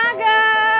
tuh ada sugar